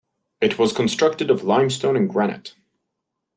It was constructed of limestone and granite.